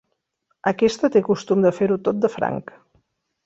Aquesta té costum de fer-ho tot de franc.